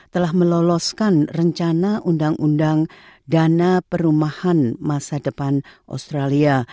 telah meloloskan rencana undang undang dana perumahan masa depan australia